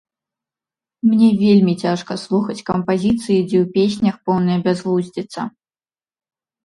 Мне вельмі цяжка слухаць кампазіцыі, дзе ў песнях поўная бязглуздзіца.